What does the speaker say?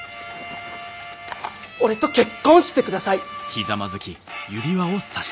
俺と結婚してください。